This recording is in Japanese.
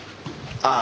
ああ